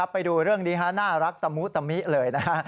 ไปดูเรื่องนี้น่ารักตะมุตะมิเลยนะฮะ